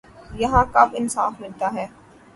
یہاں کب انصاف ملتا ہے